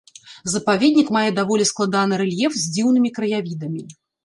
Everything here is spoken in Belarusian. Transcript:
Запаведнік мае даволі складаны рэльеф з дзіўнымі краявідамі.